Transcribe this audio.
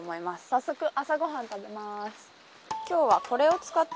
早速、朝ご飯を食べます。